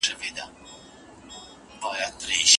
خلګ د پیغور څخه نه وېرېدل نه، بلکي مجبور وو.